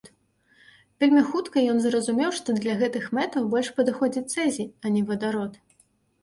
Вельмі хутка ён зразумеў, што для гэтых мэтаў больш падыходзіць цэзій, а не вадарод.